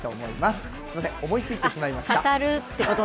すみません、思いついてしまいました。